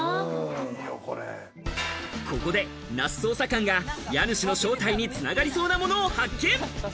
ここで那須捜査官が家主の正体に繋がりそうなものを発見。